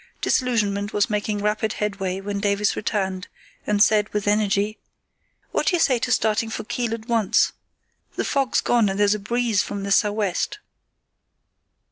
Disillusionment was making rapid headway when Davies returned, and said, with energy: "What do you say to starting for Kiel at once? The fog's going, and there's a breeze from the sou' west."